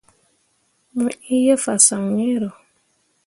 Mo iŋ ye fasaŋ iŋro.